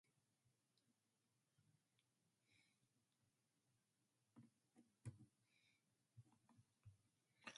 Dudley continued to feel a sense of loyalty to the McMahons and their promotion.